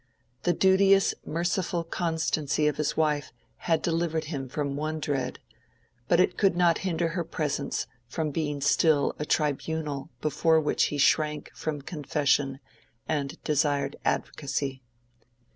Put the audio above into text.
The duteous merciful constancy of his wife had delivered him from one dread, but it could not hinder her presence from being still a tribunal before which he shrank from confession and desired advocacy.